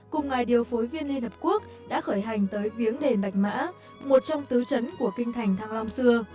cùng ngày điều phối viên liên hợp quốc đã khởi hành tới viếng đền bạch mã một trong tứ chấn của kinh thành thăng long xưa